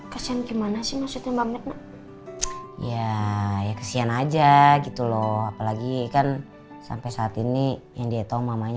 kesiannya ngeliat deh kasian gimana sih maksud mbak mirna iya ya kesian aja gitu loh apalagi kan sampai saat ini yang dia tahu mamanya masih koma